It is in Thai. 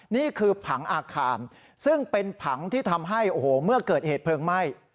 นี่คือผังอาคารซึ่งเป็นผังที่ทำให้โอ้โหเมื่อเกิดเหตุเพลิงไหม้